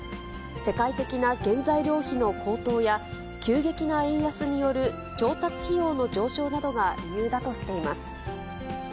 世界的な原材料費の高騰や、急激な円安による調達費用の上昇などが理由だとしています。